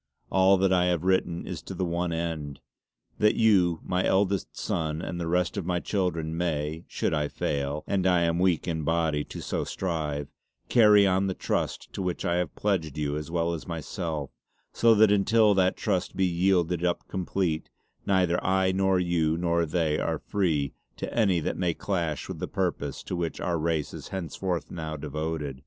All that I have written is to the one end that you my eldest sonne and the rest of my children, may, should I fail and I am weak in bodie to so strive carry on the Trust to which I have pledged you as well as myself; so that untill that Trust be yielded up complete, neither I nor you nor they are free to any that may clash with the purpose to which our race is henceforth now devoted.